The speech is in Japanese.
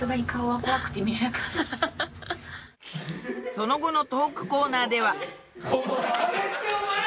その後のトークコーナーでは